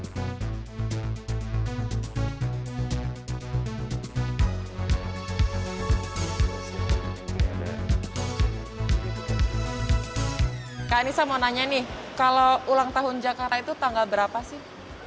kak ini saya mau nanya nih kalau ulang tahun jakarta itu tanggal berapa sih